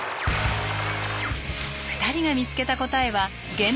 ２人が見つけた答えは原点回帰。